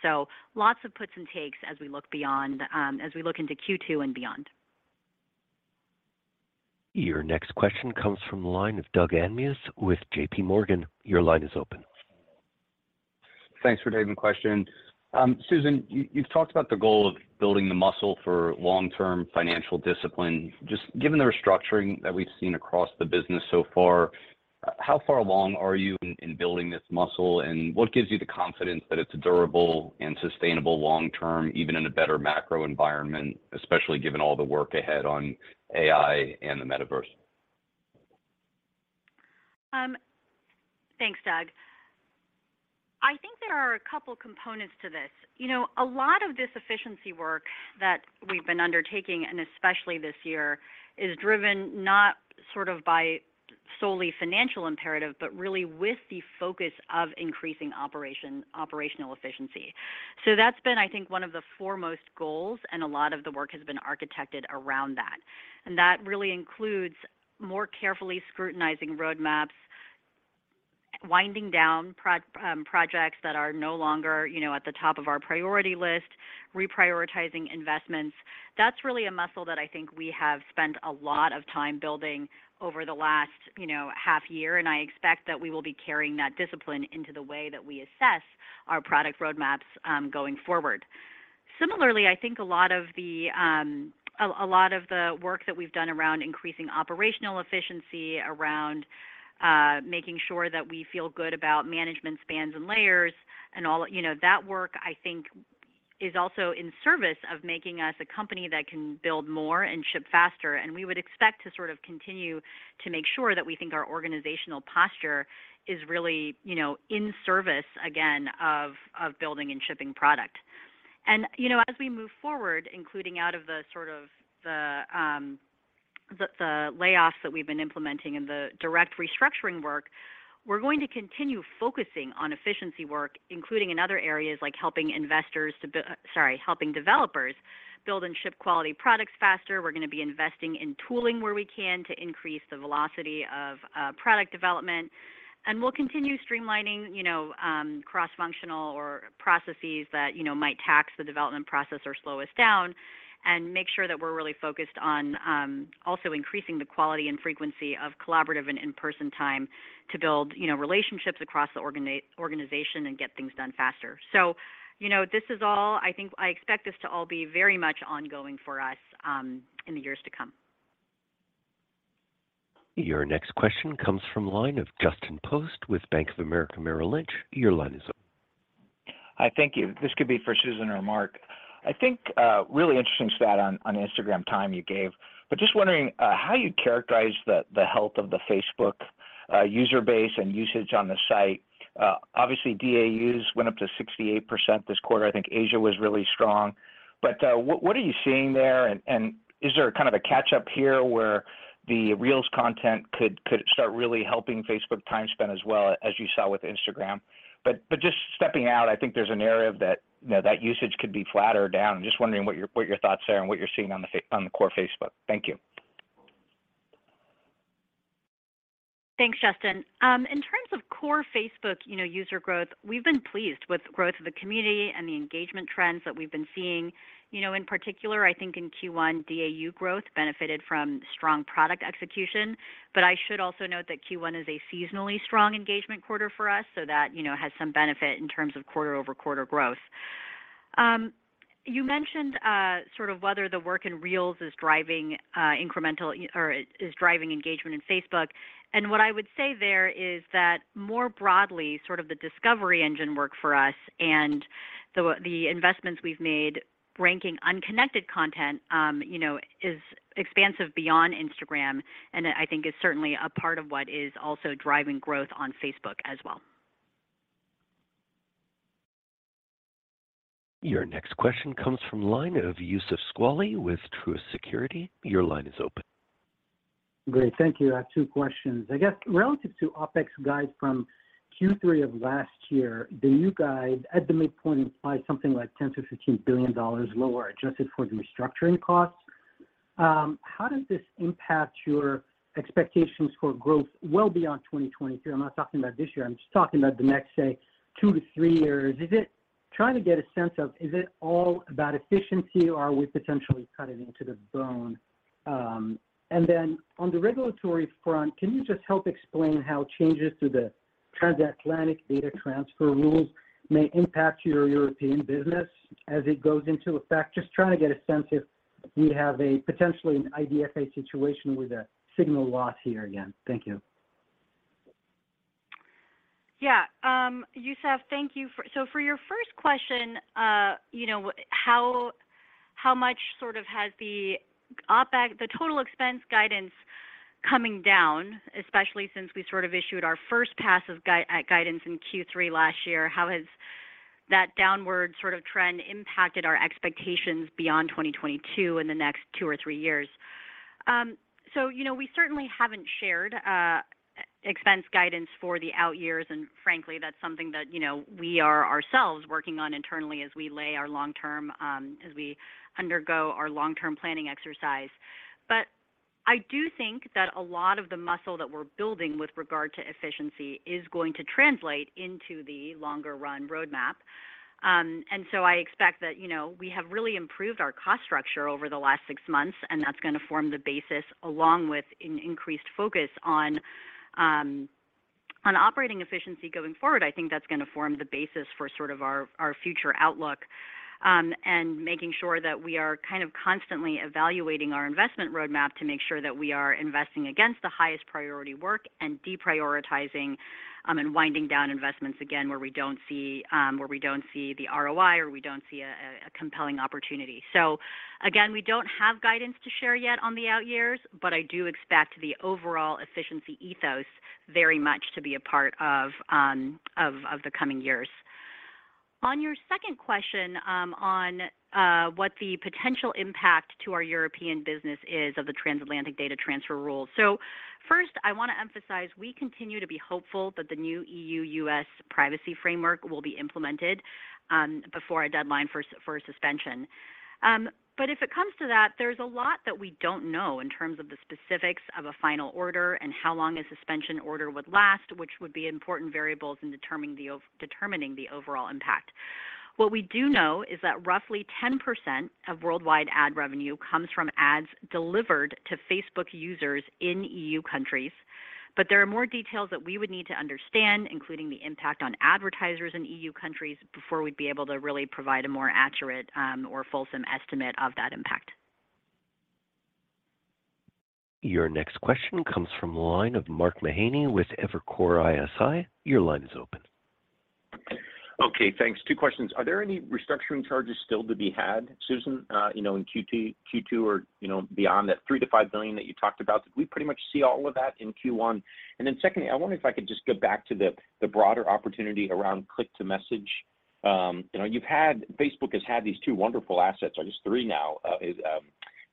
Lots of puts and takes as we look beyond, as we look into Q2 and beyond. Your next question comes from the line of Doug Anmuth with JPMorgan. Your line is open. Thanks for taking the question. Susan, you've talked about the goal of building the muscle for long-term financial discipline. Just given the restructuring that we've seen across the business so far, how far along are you in building this muscle, and what gives you the confidence that it's durable and sustainable long term, even in a better macro environment, especially given all the work ahead on AI and the metaverse? Thanks, Doug. I think there are a couple components to this. You know, a lot of this efficiency work that we've been undertaking, and especially this year, is driven not sort of by solely financial imperative, but really with the focus of increasing operational efficiency. That's been, I think, one of the foremost goals, and a lot of the work has been architected around that. That really includes more carefully scrutinizing roadmaps, winding down projects that are no longer, you know, at the top of our priority list, reprioritizing investments. That's really a muscle that I think we have spent a lot of time building over the last, you know, half year, and I expect that we will be carrying that discipline into the way that we assess our product roadmaps going forward. Similarly, I think a lot of the work that we've done around increasing operational efficiency, around making sure that we feel good about management spans and layers and all, you know, that work, I think, is also in service of making us a company that can build more and ship faster. We would expect to sort of continue to make sure that we think our organizational posture is really, you know, in service again of building and shipping product. You know, as we move forward, including out of the sort of the layoffs that we've been implementing and the direct restructuring work we're going to continue focusing on efficiency work, including in other areas like helping developers build and ship quality products faster. We're gonna be investing in tooling where we can to increase the velocity of product development, and we'll continue streamlining, you know, cross-functional or processes that, you know, might tax the development process or slow us down and make sure that we're really focused on also increasing the quality and frequency of collaborative and in-person time to build, you know, relationships across the organization and get things done faster. You know, this is all. I think I expect this to all be very much ongoing for us in the years to come. Your next question comes from line of Justin Post with Bank of America Merrill Lynch. Your line is open. Hi. Thank you. This could be for Susan or Mark. I think, really interesting stat on Instagram time you gave, just wondering how you'd characterize the health of the Facebook user base and usage on the site. Obviously, DAUs went up to 68% this quarter. I think Asia was really strong. What are you seeing there and is there kind of a catch-up here where the Reels content could start really helping Facebook time spent as well as you saw with Instagram? Just stepping out, I think there's an area of that, you know, that usage could be flatter down. I'm just wondering what your thoughts are and what you're seeing on the core Facebook. Thank you. Thanks, Justin. In terms of core Facebook, you know, user growth, we've been pleased with growth of the community and the engagement trends that we've been seeing. You know, in particular, I think in Q1, DAU growth benefited from strong product execution. I should also note that Q1 is a seasonally strong engagement quarter for us, so that, you know, has some benefit in terms of quarter-over-quarter growth. You mentioned sort of whether the work in Reels is driving incremental or is driving engagement in Facebook, and what I would say there is that more broadly, sort of the discovery engine work for us and the investments we've made ranking unconnected content, you know, is expansive beyond Instagram and I think is certainly a part of what is also driving growth on Facebook as well. Your next question comes from line of Youssef Squali with Truist Securities. Your line is open. Great. Thank you. I have two questions. I guess relative to OpEx guide from Q3 of last year, the new guide at the midpoint implies something like $10 billion-$15 billion lower adjusted for the restructuring costs. How does this impact your expectations for growth well beyond 2023? I'm not talking about this year, I'm just talking about the next, say, 2-3 years. Trying to get a sense of, is it all about efficiency or are we potentially cutting into the bone? On the regulatory front, can you just help explain how changes to the transatlantic data transfer rules may impact your European business as it goes into effect? Just trying to get a sense if we have a potentially an IDFA situation with a signal loss here again. Thank you. Yeah. Youssef, thank you for... For your first question, you know, how much sort of has the OpEx, the total expense guidance coming down, especially since we sort of issued our first pass of guidance in Q3 last year. How has that downward sort of trend impacted our expectations beyond 2022 in the next 2 or 3 years? You know, we certainly haven't shared expense guidance for the out years, and frankly, that's something that, you know, we are ourselves working on internally as we lay our long term, as we undergo our long-term planning exercise. I do think that a lot of the muscle that we're building with regard to efficiency is going to translate into the longer run roadmap. I expect that, you know, we have really improved our cost structure over the last six months, and that's gonna form the basis along with an increased focus on operating efficiency going forward. I think that's gonna form the basis for sort of our future outlook, and making sure that we are kind of constantly evaluating our investment roadmap to make sure that we are investing against the highest priority work and deprioritizing and winding down investments again, where we don't see where we don't see the ROI or we don't see a compelling opportunity. Again, we don't have guidance to share yet on the out years, but I do expect the overall efficiency ethos very much to be a part of, of the coming years. On your second question, on what the potential impact to our European business is of the transatlantic data transfer rule. First, I wanna emphasize we continue to be hopeful that the new EU-U.S. Data Privacy Framework will be implemented before a deadline for a suspension. If it comes to that, there's a lot that we don't know in terms of the specifics of a final order and how long a suspension order would last, which would be important variables in determining the overall impact. What we do know is that roughly 10% of worldwide ad revenue comes from ads delivered to Facebook users in EU countries. There are more details that we would need to understand, including the impact on advertisers in EU countries, before we'd be able to really provide a more accurate, or fulsome estimate of that impact. Your next question comes from line of Mark Mahaney with Evercore ISI. Your line is open. Okay, thanks. Two questions. Are there any restructuring charges still to be had, Susan, in Q2 or beyond that $3 billion-$5 billion that you talked about? Did we pretty much see all of that in Q1? Secondly, I wonder if I could just go back to the broader opportunity around click-to-message. You know, Facebook has had these 2 wonderful assets, or I guess 3 now, is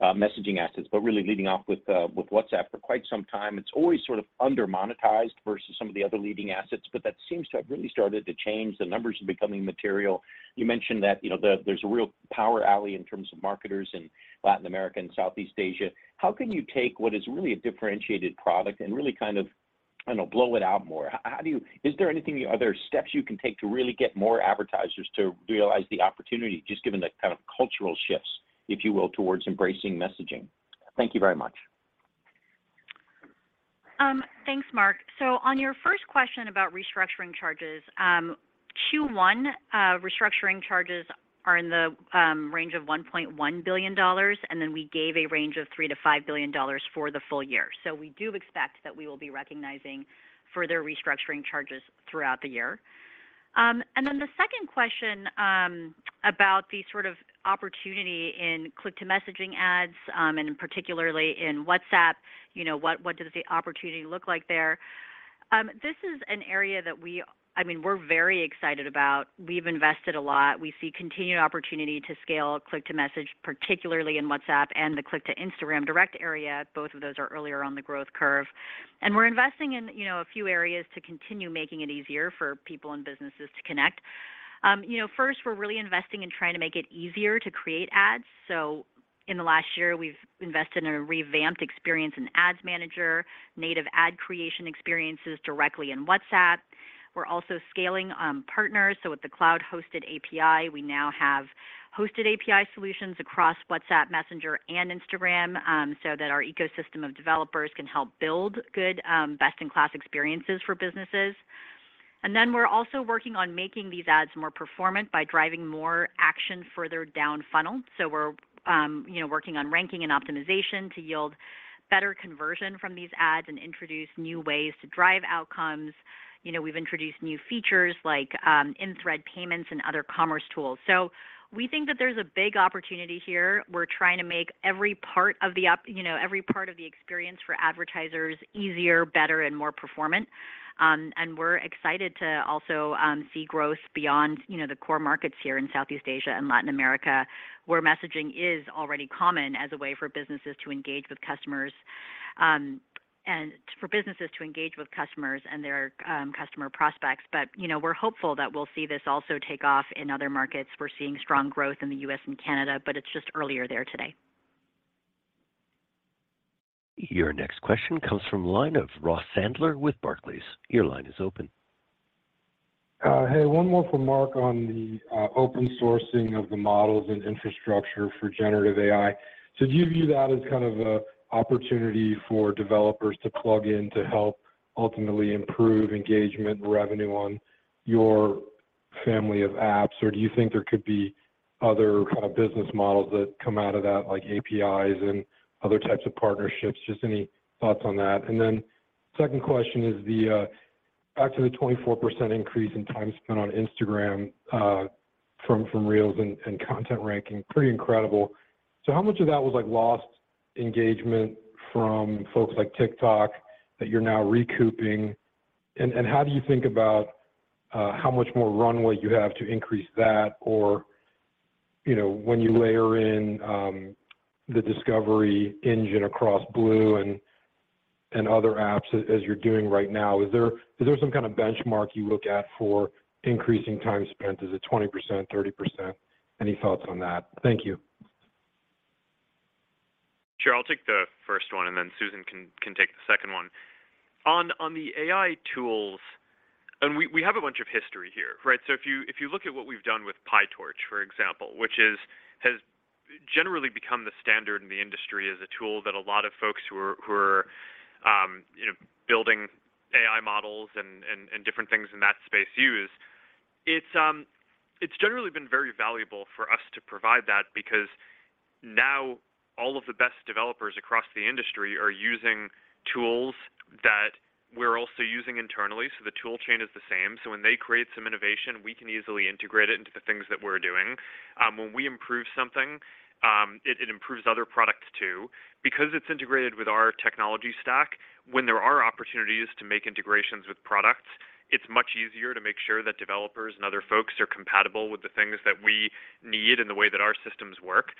messaging assets, but really leading off with WhatsApp for quite some time. It's always sort of under-monetized versus some of the other leading assets, but that seems to have really started to change. The numbers are becoming material. You mentioned that, you know, there's a real power alley in terms of marketers in Latin America and Southeast Asia. How can you take what is really a differentiated product and really kind of, I don't know, blow it out more? Are there steps you can take to really get more advertisers to realize the opportunity, just given the kind of cultural shifts, if you will, towards embracing messaging? Thank you very much. Thanks, Mark. On your first question about restructuring charges, Q1 restructuring charges are in the range of $1.1 billion, and then we gave a range of $3 billion-$5 billion for the full year. We do expect that we will be recognizing further restructuring charges throughout the year. The second question, about the sort of opportunity in click-to-message ads, and particularly in WhatsApp, you know, what does the opportunity look like there? This is an area that we, I mean, we're very excited about. We've invested a lot. We see continued opportunity to scale click-to-message, particularly in WhatsApp and the click-to-Instagram Direct area. Both of those are earlier on the growth curve. We're investing in, you know, a few areas to continue making it easier for people and businesses to connect. you know, first, we're really investing in trying to make it easier to create ads. In the last year, we've invested in a revamped experience in Ads Manager, native ad creation experiences directly in WhatsApp. We're also scaling partners. With the cloud-hosted API, we now have hosted API solutions across WhatsApp, Messenger, and Instagram, so that our ecosystem of developers can help build good, best-in-class experiences for businesses. Then we're also working on making these ads more performant by driving more action further down funnel. We're, you know, working on ranking and optimization to yield better conversion from these ads and introduce new ways to drive outcomes. You know, we've introduced new features like in-thread payments and other commerce tools. We think that there's a big opportunity here. We're trying to make every part of the you know, every part of the experience for advertisers easier, better, and more performant. We're excited to also see growth beyond, you know, the core markets here in Southeast Asia and Latin America, where messaging is already common as a way for businesses to engage with customers, and for businesses to engage with customers and their customer prospects. You know, we're hopeful that we'll see this also take off in other markets. We're seeing strong growth in the U.S. and Canada. It's just earlier there today. Your next question comes from line of Ross Sandler with Barclays. Your line is open. Hey, one more for Mark on the open sourcing of the models and infrastructure for generative AI. Do you view that as kind of a opportunity for developers to plug in to help ultimately improve engagement revenue on your Family of Apps, or do you think there could be other kind of business models that come out of that, like APIs and other types of partnerships? Just any thoughts on that. Second question is the back to the 24% increase in time spent on Instagram from Reels and content ranking. Pretty incredible. How much of that was, like, lost engagement from folks like TikTok that you're now recouping? How do you think about how much more runway you have to increase that? You know, when you layer in the discovery engine across Blue and other apps as you're doing right now, is there some kind of benchmark you look at for increasing time spent? Is it 20%, 30%? Any thoughts on that? Thank you. Sure. I'll take the first one, and then Susan can take the second one. On the AI tools, and we have a bunch of history here, right? If you look at what we've done with PyTorch, for example, which has generally become the standard in the industry as a tool that a lot of folks who are, you know, building AI models and different things in that space use, it's generally been very valuable for us to provide that because now all of the best developers across the industry are using tools that we're also using internally, so the tool chain is the same. When they create some innovation, we can easily integrate it into the things that we're doing. When we improve something, it improves other products too. Because it's integrated with our technology stack, when there are opportunities to make integrations with products, it's much easier to make sure that developers and other folks are compatible with the things that we need and the way that our systems work.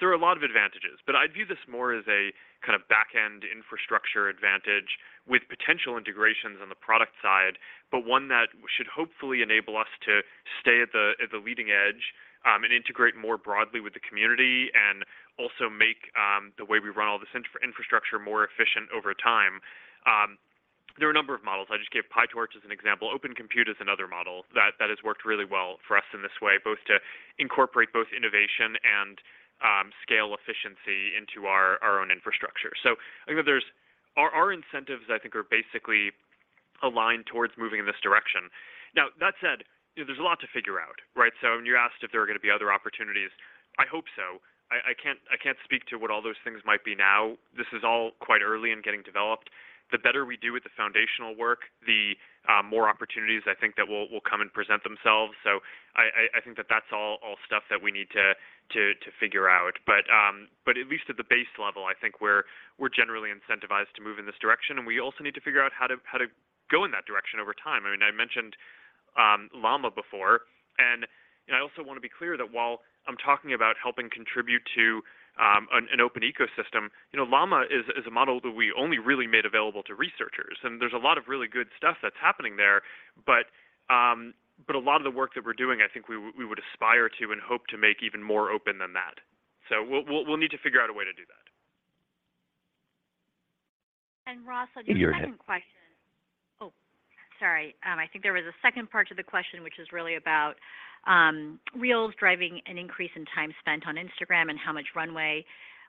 There are a lot of advantages. I view this more as a kind of backend infrastructure advantage with potential integrations on the product side, but one that should hopefully enable us to stay at the leading edge, and integrate more broadly with the community and also make, the way we run all this infrastructure more efficient over time. There are a number of models. I just gave PyTorch as an example. Open Compute is another model that has worked really well for us in this way, both to incorporate both innovation and scale efficiency into our own infrastructure. You know, Our incentives, I think, are basically aligned towards moving in this direction. Now, that said, you know, there's a lot to figure out, right? When you asked if there are gonna be other opportunities, I hope so. I can't speak to what all those things might be now. This is all quite early in getting developed. The better we do with the foundational work, the more opportunities I think that will come and present themselves. I think that that's all stuff that we need to figure out. At least at the base level, I think we're generally incentivized to move in this direction. We also need to figure out how to. I mean, I mentioned Llama before, and, you know, I also wanna be clear that while I'm talking about helping contribute to an open ecosystem, you know, Llama is a model that we only really made available to researchers, and there's a lot of really good stuff that's happening there, but a lot of the work that we're doing, I think we would aspire to and hope to make even more open than that. We'll need to figure out a way to do that. Ross, on your second question. Your head- Sorry. I think there was a second part to the question, which is really about Reels driving an increase in time spent on Instagram and how much runway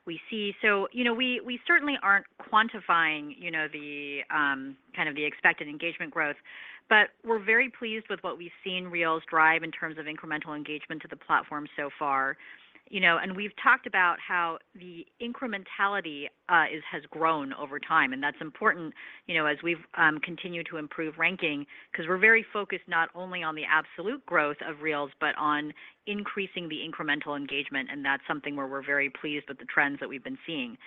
we see. You know, we certainly aren't quantifying, you know, the kind of the expected engagement growth, but we're very pleased with what we've seen Reels drive in terms of incremental engagement to the platform so far. You know, we've talked about how the incrementality has grown over time, and that's important, you know, as we've continued to improve ranking 'cause we're very focused not only on the absolute growth of Reels, but on increasing the incremental engagement, and that's something where we're very pleased with the trends that we've been seeing.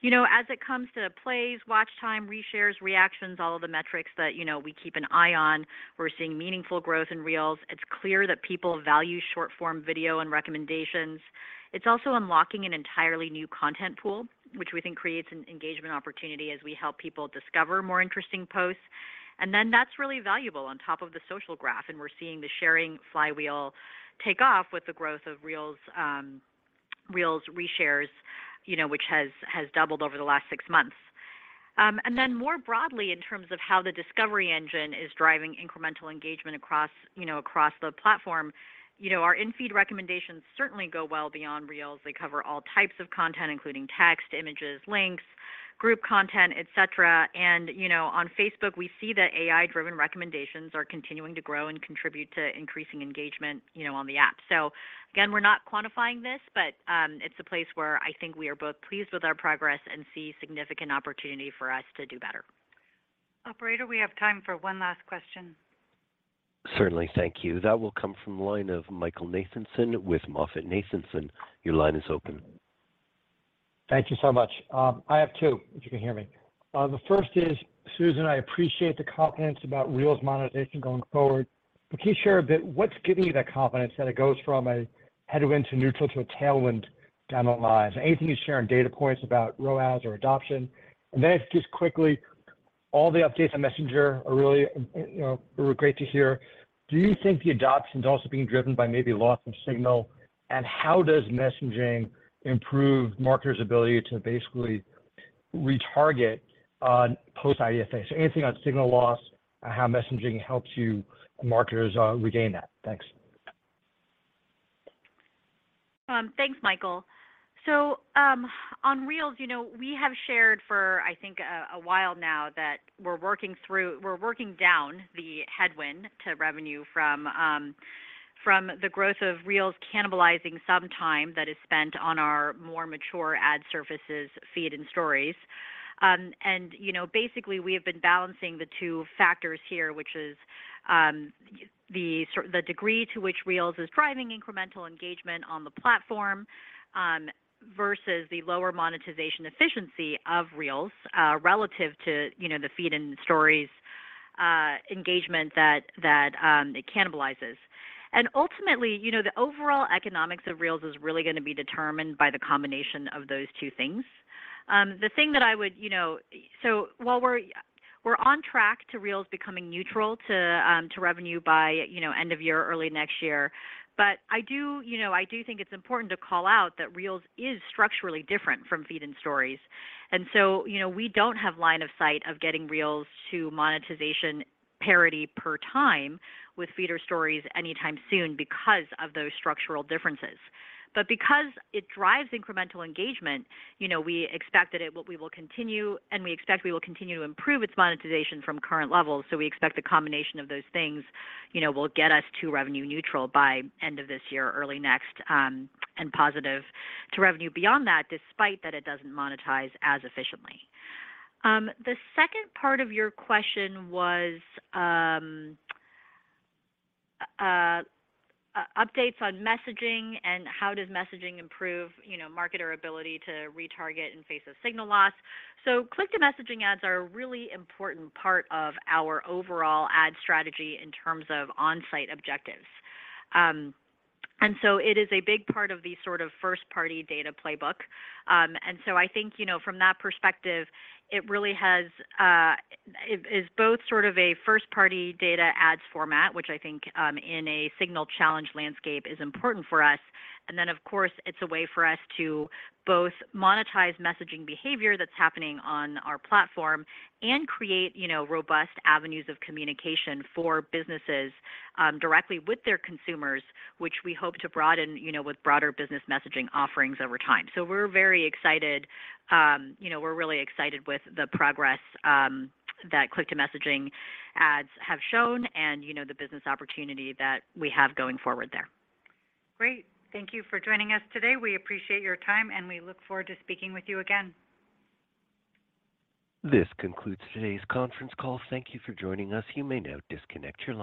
You know, as it comes to plays, watch time, reshares, reactions, all of the metrics that, you know, we keep an eye on, we're seeing meaningful growth in Reels. It's clear that people value short-form video and recommendations. It's also unlocking an entirely new content pool, which we think creates an engagement opportunity as we help people discover more interesting posts. That's really valuable on top of the social graph, and we're seeing the sharing flywheel take off with the growth of Reels reshares, you know, which has doubled over the last six months. More broadly, in terms of how the discovery engine is driving incremental engagement across, you know, across the platform, you know, our in-feed recommendations certainly go well beyond Reels. They cover all types of content, including text, images, links, group content, et cetera. You know, on Facebook, we see that AI-driven recommendations are continuing to grow and contribute to increasing engagement, you know, on the app. Again, we're not quantifying this, but, it's a place where I think we are both pleased with our progress and see significant opportunity for us to do better. Operator, we have time for one last question. Certainly. Thank you. That will come from the line of Michael Nathanson with MoffettNathanson. Your line is open. Thank you so much. I have two, if you can hear me. The first is, Susan, I appreciate the confidence about Reels monetization going forward. Can you share a bit what's giving you that confidence that it goes from a headwind to neutral to a tailwind down the line? Anything you can share on data points about ROAS or adoption? Then just quickly, all the updates on Messenger are really great to hear. Do you think the adoption is also being driven by maybe loss of signal? How does messaging improve marketers' ability to basically retarget on post-IDFA? Anything on signal loss and how messaging helps you, marketers, regain that? Thanks. Thanks, Michael. On Reels, you know, we have shared for I think a while now that we're working down the headwind to revenue from the growth of Reels cannibalizing some time that is spent on our more mature ad services, Feed and Stories. And, you know, basically, we have been balancing the two factors here, which is the degree to which Reels is driving incremental engagement on the platform versus the lower monetization efficiency of Reels relative to, you know, the Feed and Stories engagement that it cannibalizes. Ultimately, you know, the overall economics of Reels is really gonna be determined by the combination of those two things. The thing that I would... You know, while we're on track to Reels becoming neutral to revenue by, you know, end of year, early next year, but I do think it's important to call out that Reels is structurally different from Feed and Stories. You know, we don't have line of sight of getting Reels to monetization parity per time with Feed or Stories anytime soon because of those structural differences. Because it drives incremental engagement, you know, we expect that we will continue, and we expect we will continue to improve its monetization from current levels. We expect the combination of those things, you know, will get us to revenue neutral by end of this year or early next, and positive to revenue beyond that, despite that it doesn't monetize as efficiently. The second part of your question was, updates on messaging and how does messaging improve, you know, marketer ability to retarget in face of signal loss. Click-to-message ads are a really important part of our overall ad strategy in terms of on-site objectives. It is a big part of the sort of first-party data playbook. I think, you know, from that perspective, it really has, it is both sort of a first-party data ads format, which I think, in a signal-challenged landscape is important for us. Of course, it's a way for us to both monetize messaging behavior that's happening on our platform and create, you know, robust avenues of communication for businesses, directly with their consumers, which we hope to broaden, you know, with broader business messaging offerings over time. We're very excited. You know, we're really excited with the progress that click-to-message ads have shown and, you know, the business opportunity that we have going forward there. Great. Thank you for joining us today. We appreciate your time. We look forward to speaking with you again. This concludes today's conference call. Thank you for joining us. You may now disconnect your line.